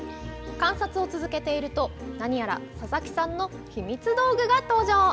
観察を続けていると何やら佐々木さんの秘密道具が登場！